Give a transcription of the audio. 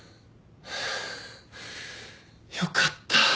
よかった。